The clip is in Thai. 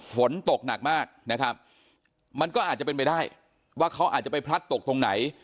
ฝนตกหนักมากนะครับมันก็อาจจะเป็นไปได้ว่าเขาอาจจะไปพลัดตกตรงไหน